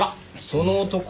その男